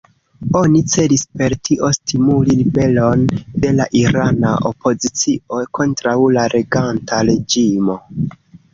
Oni celis per tio stimuli ribelon de la irana opozicio kontraŭ la reganta reĝimo.